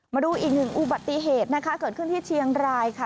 มาดูอีกหนึ่งอุบัติเหตุนะคะเกิดขึ้นที่เชียงรายค่ะ